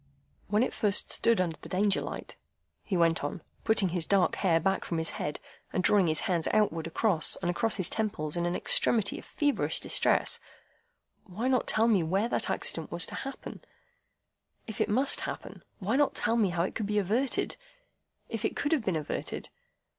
"When it first stood under the Danger light," he went on, putting his dark hair back from his head, and drawing his hands outward across and across his temples in an extremity of feverish distress, "why not tell me where that accident was to happen,—if it must happen? Why not tell me how it could be averted,—if it could have been averted?